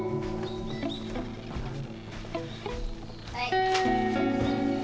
はい。